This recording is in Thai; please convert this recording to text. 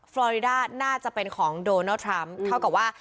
ฟรอริดาน่าจะเป็นของโดนัลดทรัมป์เท่ากับว่า